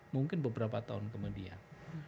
mungkin beberapa tahun kemudian